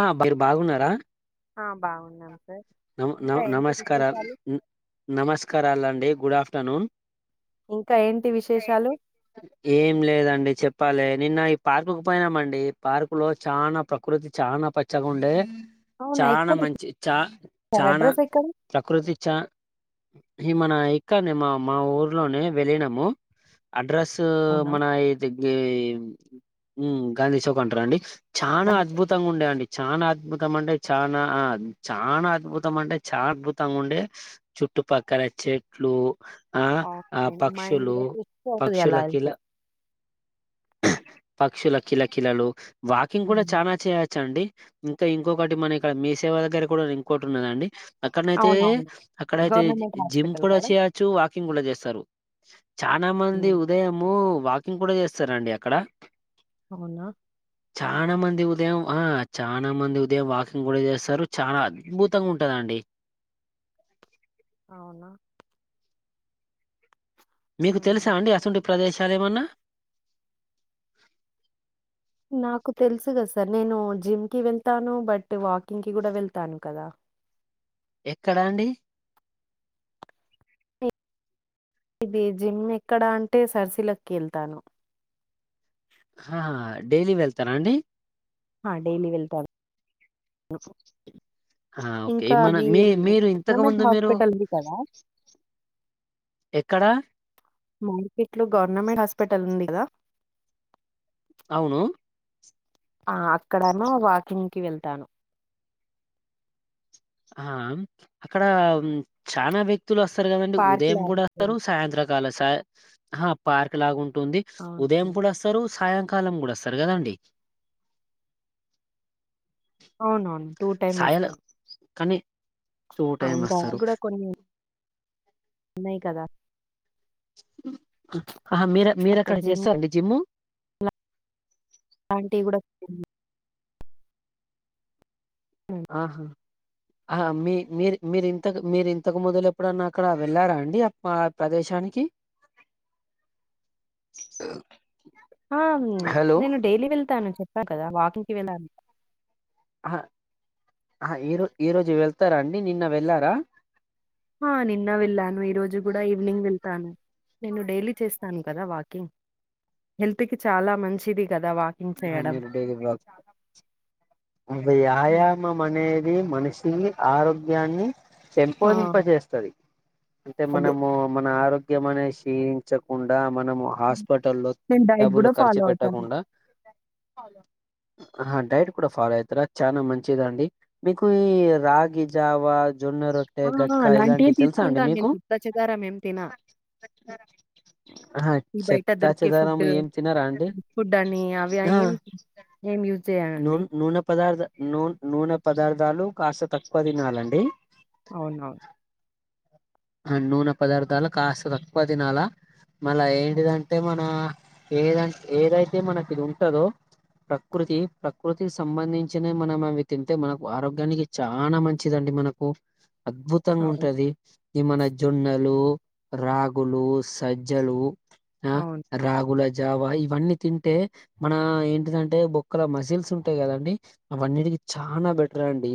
ఆ వాళ్లు బాగున్నారా ఆ బాగున్నాం సార్ నమో ఇంకా నమో ఏంటి నమస్కార విశేషాలు నమస్కారాలండి గుడ్ ఆఫ్టర్ తను ఇంకా ఏంటి విశేషాలు ఏం లేదండి చెప్ ప్పాలి నిన్న ఈ పార్క్కు పోయినామండి పార్కు లో చానా ప్రకృతి చానా పచ్చగా ఉండే అవునా చనా ఎక్కడ మంచి చా సార్ చానా అడ్రస్ ఎక్కడ ప్రకృతి చ ఈ మన ఇక్కనే మా మా ఊర్లోనే వెళ్ళినము అడ్రస్ అవునా మన ఏది ఇ హ్మ్ గాంధీ చౌక్ అంటారా అండి చానా గండిపేట. అద్భుతంగా ఉండే అండి చానా అద్భు తంఅంటే చానా ఆ చానా అద్భు తం అంటే చాలా అద్భుతంగా ఉండే చుట్టుపక్కల చెట్లూ ఆ ఆ ఓకే, మైండ్ పక్షులు కూడా ఫ్రెష్ అవుతుంది అలా పక్షులకిల వెళ్తే పక్షుల కిల కిలలు వాకింగ్ కూడా ఉమ్. చానా చేయొచ్చ అండి ఇంకా ఇంకొకటి మన ఇక్కడ మీసేవా దగ్గర కూడా ఇంకోట్ ఉన్నదండి అక్కడనైతే అవునవును అక్కడైతే గవర్నమెంట్ జిమ్ హాస్పిటల్ కూడా కదా చేయచ్చు వాకింగ్ కూడా చేస్త సరు చానా మంది ఉమ్. ఉదయము వాకింగ్ కూడా చేస్తారాండి అక్కడ అవునా చానా మంది ఉదయం ఆ చానా మంది ఉదయం వాకింగ్ కూడా చేస్తారు చానా ద్ భుతంగా ఉంటదండి అవునా మీకు తెలుసా ఉమ్. అండి అసంటే ప్రదేశాలు ఏమన్నా నాకు తెలుసు గద సర్ నేను జిమ్కి వెళ్తాను బట్ వాకింగ్ కి కూడా వెళ్తాను కదా ఎక్కడాండి ఇది జిమ్ ఎక్కడ అంటే సర్సీలకి వెళ్తాను ఆ డైలీ వెళ్తారా అండి ఆ డైలీ వెళ్తాను ఆ! ఓకే. ఇంకా మన అది మీ మీరు గవర్నమెంట్ ఇంతకుముందు మీరు హాస్పిటల్ ఉంది కదా ఎక్కడ మార్కెట్లో గవర్నమెంట్ హాస్పిటల్ ఉంది కదా అవును ఆ అక్కడమో వాకింగ్కి వెళ్తాను ఆ అక్కడ చానా బె వ్యక్తులు వస్తారు కదండి పార్క్‌లో ఉదయం కూడా వస్తారు ఆడుకోను. సాయంత్రకాల స అహ పార్క్ లాగా ఉ ఉంటుంది ఉదయం అవును. కూడా వస్తారు సాయం కాలం కూడా వస్తరు కదండి అవునవును టూ టైమ్ వస్తారు కానీ టైమ్ ఇంకా అది వస్తారు. కూడా కొన్ని ఉన్నాయ్ కదా ఆ మీర అక్కడ మీరెక్కడ జిమ్ చేస్తారండి జిమ్ అలాంటివి కూడా ఆహా ఆ మీ మీరు మీరింతకు మీరు ఇంతకు మొదలు ఎప్పుడన్నా అక్కడ వెళ్ళారా అండి ఆ ప్రదేశానికి ఆ హలో! నేను డైలీ వెళ్తాను చెప్ కదా వాకింగ్కి వెంద ఆ ఈరో ఈరోజు వెళ్తారా అండి నిన్న వెళ్ళారా ఆ నిన్న వెళ్ళాను ఈ రోజు కూడా ఈవినింగ్ వెళ్తాను నేను డైలీ చేస్తాను కదా వాకింగ్ హెల్త్ కి చాలా మంచిది కదా! వాకింగ్ చేయడం. మీరు ఆ హ్మ్. మా మ మనిషి ఆరోగ్యాన్ని ఆ! చెంపోదింప చేేస్తది అంటే అదే. మనము మన ఆరోగ్య ఆరోగ్యమనేది క్షీణించకుండా మనం హాస్పిటల్ లో నేను డైట్ డబ్బులు గూడా ఖర్చు ఫాలో అవుతాను. పెట్టకుండా ఆ డైట్ కూడా ఫాలో అవుతారా చాలా మంచిదండి మీకు ఈ రాగి జావా జొన్న రొట్టె ఆ! గట్కా అలాంటియే ఇలాంటివి తెలుసా అండి తీసుకుంటాను నేను. మీకు చెత్తా చెదారం ఏం తినా. ఈ బయట చెత్తా దొరికే చెదారము ఏం తినారా అండి వి ఆ ఏం ఏం యూజ్ చేయ నూ అండి నూనె పదార్థ నున్ నూనె పదార్థాలు కాస్త తక్కువ తినాలండి అవున ఆ నూనె పదార్థాలు కాస్త తక్కువ తినాలా మళ హ్మ్. ఏంటిదంటే మన ఏదై ఏదైతే మనకి ఇది ఉంటందో ప్రకృతి ప్రకృతికి సంబంధించిన మనం అవి తింటే మనకు ఆరోగ్యానికి చానా మంచిదండి మనకు అద్భుతంగా అవును. ఉంటది ఈ మన జొన్నలు, రాగులు, సజ్జలు ఆ అవును. రాగుల జావా ఇవన్నీ తింటే మన ఏంటిదంటే బొక్కల మసిల్స్ ఉంటాయి కదండి అవన్నిటికి చానా బెటర్ అండి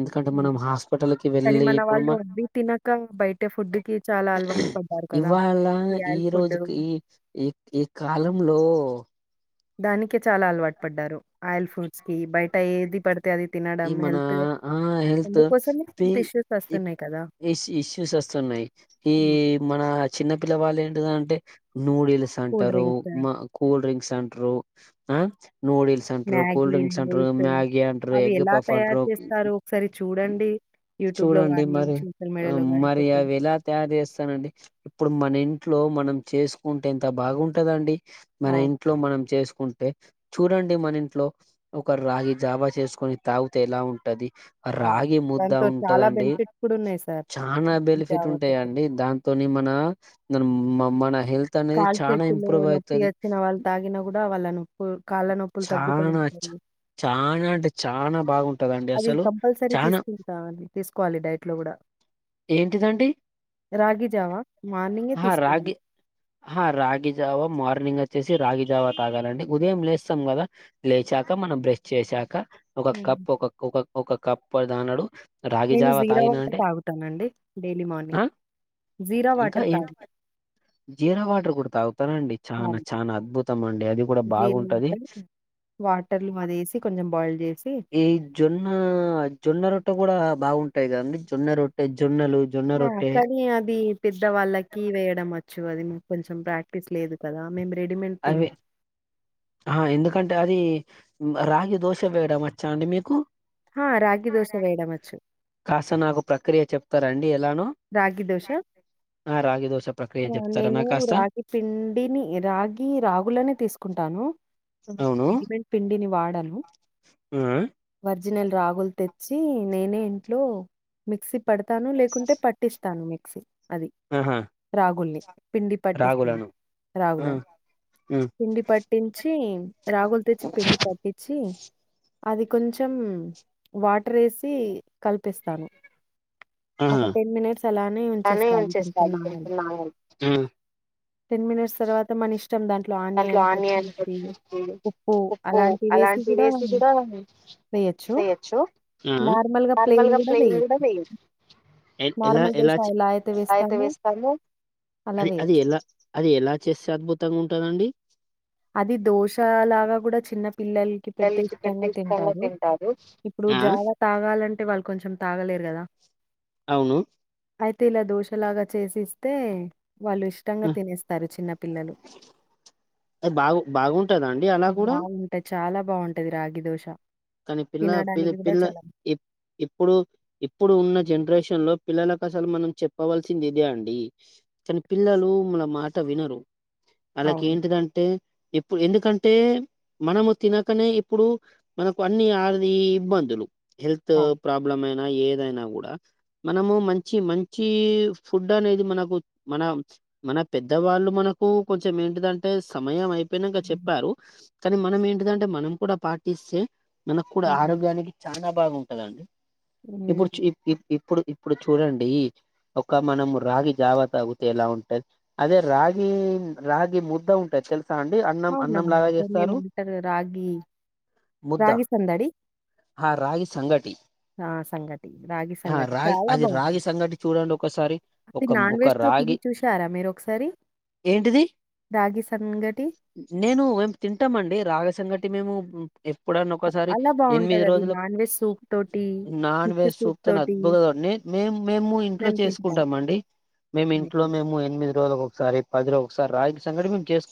ఎందుకంటే మనం హ్మ్. హాస్పిటల్కి కానీ వెళ్ళి మన ఇప్పుడు వాళ్ళు మా అవి తినక బయట ఫుడ్‌కి చాలా అలవాటు పడ్డారు కదా! ఇవాళ ఈ ఆయిల్ ఫుడ్ రోజుకి ఈ ఈ ఈకాలంలో లో దానికే చాలా అలవాటు పడ్డారు ఆయిల్ ఫ్రూట్స్ కి బయట ఏది పడ ఈ మన ఆ హెల్త్ అందుకోసమే పి హెల్త్ ఇష్యూస్ వస్తున్నాయి కదా! ఇష్ ఇష్యూస్ వస్తున్నాయి ఈ హ్మ్. మన చిన్నపిల్ల వాళ్ళ ఏంటిద అంటే నూడిల్స్ కూల్ అంటారు డ్రింక్స్, మా కూల్ డ్రింక్స్ అం రూ ఆ నూడిల్స్ అంట్రు మ్యాగీ, కూల్ డ్రింక్స్ అంట్రు నూడిల్స్ మ్యాగి అంట్రు అవి ఎగ్ ఎలా తయారు చేస్తారో [unintelligible] ఒకసారి చూడండి. యూట్యూబ్‌లో చూడండి గాని మరి సోషల్ మీడియాలో గాని మరి పెట్టి. అవి ఎలా తయారు చేస్తానండి ఇప్పుడు మన ఇన్ ట్లో మనం చేసుకుంటే ఎంత బాగుంటదండి మన అవును. ఇంట్లో మనం చెస్ కుంటే చూడండి మన ఇంట్లో ఒక రాగి జావ చేసుకొని తాగుతే ఎలా ఉంటది అవును. రాగి ముద్ద దాంతో చాలా ఉంటదండి బెనిఫిట్స్ కూడా ఉన్నాయి సార్. చనా ఈ బెనిఫిట్ ఉంటాయా జాగ్రత్తకి. అండి దాంతోని మన [unintelligible] మమ్మన కాలుచేతులు నొప్పి వచ్చిన వాళ్ళు తాగిన కూడా వాళ్ళను చానా చనా అంటే చనా బాగుం అది కంపల్సరీ తీసుకుంటామండి తీసుకోవాలి డైట్ లో కూడా ఏంటీదండీ రాగి జావా మార్నింగే హ రాగి తీసుకోవాలి. హా రాగి జావ మార్నింగ్ వచ్చేసి రాగి జావా తాగాలండి ఉదయం లేస్తాం కదా లేచాక మనం బ్రష్ చేసాక ఒక హ్మ్. కప్పు ఒక ఒక ఒక కప్ప దానడు రాగి నేను జావ జీరా తాగిన వాటర్ అంటే తాగుతానండి డైలీ ఆ మార్నింగ్ జీరా ఇంకా వాటర్ ఏంటి తాగుతా. జీరా వాటర్ కూడా తాగుతారండి చనా అవును. చనా అద్భుతం అండి అది కూడా జీరా బాగుంటది వాటర్, వాటర్‌లో అదేసి కొంచెం బాయిల్ జేసి ఈ జొన్న జొన్న రొట్ట కూడా బాగుంటాయిద అండి జొన్నె రొట్టె జొన్నలు జొన్న రొట్టె వాళ్ళకి వేయడం [unintelligible] అది కొంచెం ప్రాక్టీస్ లేదు కదా మేము రెడీమేడ్ తిం అవి ఆ ఎందుకంటే అది రాగి దోశ వేయడం వచ్చా అండి మీకు ఆ రాగి దోశ వేయడ వచ్చు క్రియ చెప్తారండి ఎలానో రాగి దోష ఆ రాగి దోశ ప్రక్రియ చెప్తారా నేను నాకు కాస్త రాగి పిండిని రాగి రాగులనే తీసుకుంటాను రెడీమేడ్ పిండిని వాడ మ్మ్ ఒరిజినల్ రాగులు తెచ్చి నేనే ఇంట్లో మిక్స పడతాను లేకుంటే ప స్తాను మిక్సీ అది ఆహా రాగుల్ని. పిండి పట్టిస్తుంది రాగులను ఆ రోగులను ఉమ్ పిండి పట్టించి రంగులు తెచ్చి పిండి పట్టించి అది కొంచెం వాటర్ వేసి కల్పిస్తాను ఒక ఆహా టెన్ మినిట్స్ చలా అలానే ఉంచేస్తాది ఉంచుతాను కొంచెం నానబెట్టి టెన్ మినిట్స్ తరువాత మనం ఇష్టం దాంట్లో ఆనియన్ కొమ ఉప్పు అలాంటివేసి గూడా అలాంటిసి వేయొచ్చు. కూడాయచ్చు నార్మల్‌గా ప్లెయిన్ నార్ల్గా గూడా ప్లన్ వేయొచ్చు. కూడాయచ్చు ఎలా నార్మల్ దోస ఎలా అయితే వేస్తామో ఎలాస్తా అలా అది అది వేయొచ్చు. ఎలా అది ఎలా చేస్తే అద్భుతం తం ఉంటదాండి అది దోష లాగా కూడా చిన్న పిల్లలకి పెడితే ఇష్టంగా తింటారు ఇప్పుడు ఆ జావా తాగాలంటే వాళ్ళు కొంచెం తాగలేరు కదా అవును అయితే ఇలా దోషలాగా చేసిస్తే వాళ్ళు ఇష్టంగా ఆ, తినేస్తారు చిన్న పిల్లలు అది బాగు ఉంటదండి అలా కూడా బావుంటాయి. చాలా బాగుంటది రాగి దోష కానీ పిల్ల ప పిల్ల ఇప్పుడు ఇప్పుడు ఉన్న జనరేషన్ లో పిల్లలకు అసలు మనం చెప్పవలసింది ఇదే అండి కాని పిల్లలు మన మాట వినరు అలాకు అవును. ఏంటిదంటే ఇప్పు ఎందుకంటే మనము తినకనే ఇప్పుడు మనకు అన్ని ఆర్ధి ఇబ్బందులు హెల్త్ అవును. ప్రాబ్లమ్ ఏదైనా కూడా మనము మంచి మంచి ఫుడ్ అనేది మనకు మన మన పెద్దవాళ్ళు మనకు కొంచెం ఏంటిదంటే సమయం అయిపో ప్పినక హ్మ్. చెప్పారు కానీ మనం ఏంటిదంటే మనం కూడా పాటిస్తే మన కూడా హ్మ్. ఆరోగ్యానికి చాలా బాగుంటదండి హ్మ్. ఏప్పుడుచ్చ ఇబ్ ఇబ్ ఇప్పుడు ఇప్పుడు చూడండి ఒక మనం రాగి జావా తాగితే ఎలా ఉంటుది అదే రాగి రాగి ముద్ద ఉంటుది తెలు అవునాఅంది మేము అంతగా రాగి ముద్ద రాగి సందడి ఆ రాగి సంగటి ఆ సంగటి రాగి ఆ సంగటి రాగి చాలా అది బాగుంది రాగి సంగటి చూడండి ఒకసారి అది ఒక నాన్ ఒక వెజ్ తో తిని రాగి చూసారా మీరు ఒకసారి ఏంటిది రాగి సంగటి నేను ఏం తింటామండి రాగసంగటి మేము ఎప్పుడన్న ఒకసారి చాలా ఎనిమిది బావుంటదది. రోజులు నాన్ వెజ్ సూప్ తోటి, నాన్ ఫిష్ వెజ్ సూప్ చూపుతో తోటి అద్భుతడి మేము మేము ఇంట్లో చేసుకుంటాం అండి మేము ఇంట్లో హ్మ్. మేము ఎనిమిది రోజులకు ఒకసారి పది రోజుల సార్ రాగి సంగటి మేము చేస్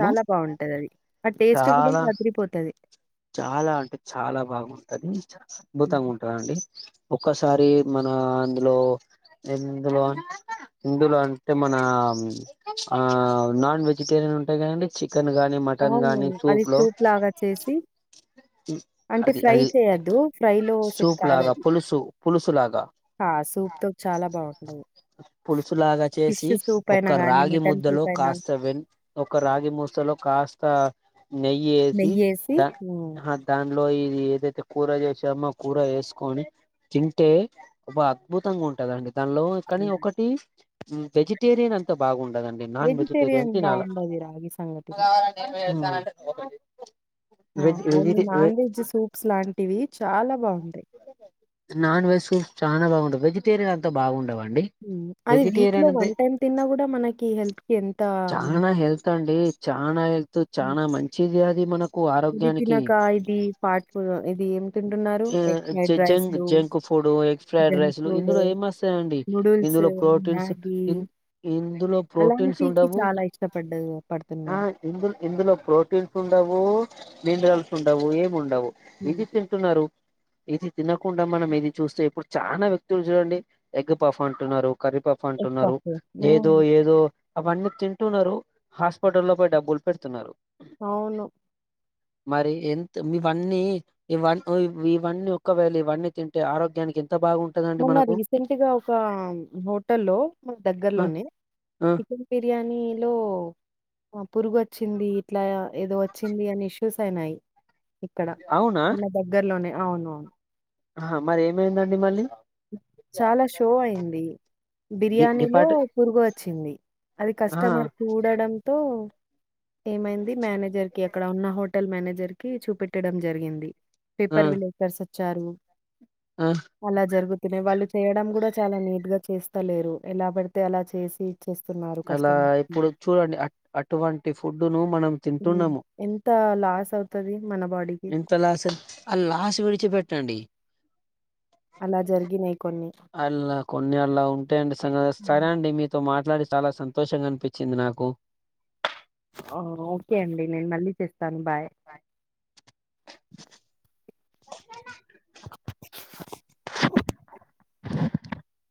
చాలా బాగుంటది అది ఆ టేస్ట్ కూడా చాలా అదిరిపోతది చాలా అంటే చాలా బాగుంటది అద్భుతంగా హ్మ్. ఉంటదండి ఒక్కసారి మన అందులో ఇందులో ఇందులో అంటే మన ఆ నాన్ వెజిటేరియన్ ఉంటాయి కదండి చి చికెన్ కానీ మటన్ అవును. కానీ అది సూప్ లో లాగా చేసి అంటే అది ఫ్రై అది చేయద్దు ఫ్రై లో సెట్ సూప్ కాదు లాగా అది పులుసు పులుసు లాగా ఆ సూప్ తో చాలా బాగుంటది పులుసులాగా చేసి ఒక గానీ, రాగి మటన్ ముద్దలో సూప్ అయినా కాస్త వెన్ ఒక రాగి ముద్ద లో కాస్త నెయ్యి ఏసి నెయ్యేసి దా హ్మ్. హా దాన్ లో ఇది ఏదైతే కూర చేసామో కూర వేసుకొని తింటే ఒక అద్భుతంగా ఉంటందండి దానిలో కానీ అవునా? ఒకటి హు వెజిటేరియన్ అంత బాగుండదండి నాన్ వెజిటేరియన్ తినాల బావుండది రాగి సంగటి. ఒకటి వామ్మో మీ నాన్ వెజ్ సూప్స్ లాంటివి చాలా బావు నాన్ వెజ్ సూప్ చాలా బాగుండవు వెజిటేరియన్ అంత బాగుండావండి ఉ అది వీక్ లో వన్ టైమ్ తిన్నా కూడా మనకి హెల్త్ కి ఎంత మ చానా హెల్త్ అండి చానా హెల్ తో చానా మంచిది అది ది మనక్ ఇది తినక ఇది పాటు ఇది ఏం తింటున్నారు ఏ విజే Jung junk food egg fried junk rice food, ఇందులో ఏం వస్తాయిండి నూడిల్స్, ఇందులో ప్రోటీన్స్ మ్యాగీ ఇం ఇందులో ప్రోటీన్స్ అలాంటికి ఉండవు చాలా ఇష్టపడ్డ ఆ పడుతున్నారు. ఇందుల్ ఇందులో ప్రోటీన్స్ ఉండవు పొ నీళ్లు కాల్చుకుంటావు ఏమున్ డవు హ్మ్. ఇది తింటున్నారు ఇది తినకుండా మనం ఇది చూస్తే ఇప్పుడు చానా వ్యక్తులు చూడండి ఎగ్ పఫ్ అంటున్నారు కరీ పఫ్ ఎగ్ అంటున్నారు పఫ్. హ్మ్. ఏదో ఏదో అవన్నీ తింటున్నారు హాస్పిటల్ లో పోయి డబ్బులు పెడుతున్నారు అవును మరి ఎంత ఇవన్నీ ఇవన్న ఇవన్నీ ఓ ఒకవేళ ఇవన్నీ తింటే ఆరోగ్యానికి బాగుంటదండి మొన్న మనకు రీసెంట్గా ఒక హోటల్లో మనకు ఆ దగ్గర్లోనే ఆ చికెన్ బిర్యానీలో వమ్ పురుగు వచ్చింది ఇట్లాయా ఏదో వచ్చింది అనేశి చూసన్నాయ్ ఇక్కడ అవునా మన దగ్గర్లోనే అవునవును ఆహా మరి ఏమైందండి మళ్ళీ చాలా షో అయ్యింది డి బిర్యానిలో డిపార్ట్ పురుగు వచ్చింది అది ఆ కస్టమర్ చూడడంతో ఏమైంది మేనేజర్ కి అక్కడ ఉన్న హోటల్ మేనేజర్ కి చూపెట్టడం జరిగింది ఆ పేపర్ విలేకర్స్ వచ్చారు ఆ అలా జరుగు అదే వాళ్ళు చేయడం కూడ చాలా నే గా చేస్తలేరు ఎలా పడితే అలా చేసి ఇచ్చేస్తున్నారు అలా కస్టమర్కి ఇపుడు ఇపుడు అట్ అటువంటి ఫుడును మనం తింటున్నాము తా లాస్ అవుతది మన బాడీకి ఎంత లాసు ఆ లాస్ విడిచి పెట్టండి అలా జరిగినాయ్ కొన్ని అలా కొన్ని అలా ఉన్ అండి సరే అండి మీతో మాట మాట్లాడి చాలా సంతోషంగా అనిపిచింది నాకు ఓకే అండి నేను మళ్ళీ చేస్ తన్ బాయ్ [inaudible]